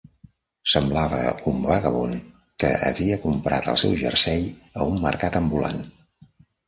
Semblava un vagabund que havia comprat el seu jersei a un mercat ambulant